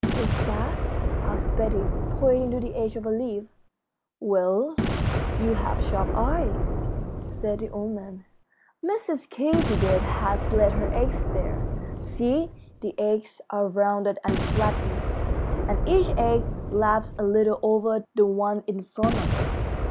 "What's that?" asked Betty, pointing to the edge of a leaf. "Well, you have sharp eyes," said the old man. "Mrs. Katydid has laid her eggs there. See, the eggs are rounded and flattened, and each egg laps a little over the one in front of it.